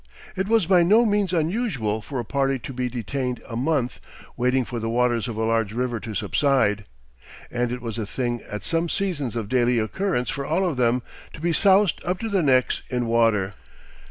It was by no means unusual for a party to be detained a month waiting for the waters of a large river to subside, and it was a thing at some seasons of daily occurrence for all of them to be soused up to their necks in water.